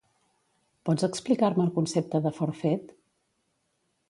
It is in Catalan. Pots explicar-me el concepte de forfet?